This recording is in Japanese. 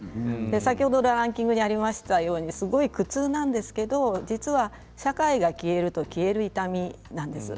先ほどのランキングにありましたようにすごい苦痛なんですけど実は社会が消えると消える痛みなんです。